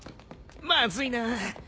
まずいな。